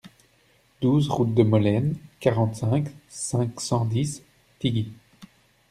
douze route de Molaine, quarante-cinq, cinq cent dix, Tigy